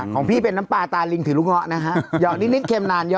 ของพี่เป็นน้ำปลาตาลิงถือลุ้งหอนะฮะ